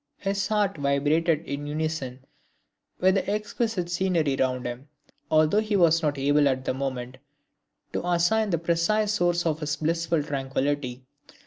His heart vibrated in unison with the exquisite scenery around him, although he was not able at the moment to assign the precise source of his blissful tranquillity.